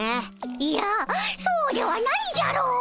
いやそうではないじゃろ！